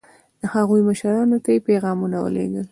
د هغوی مشرانو ته یې پیغامونه ولېږل.